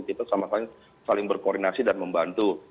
kita sama sama saling berkoordinasi dan membantu